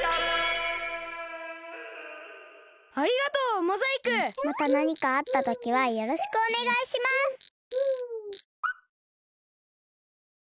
またなにかあったときはよろしくおねがいします！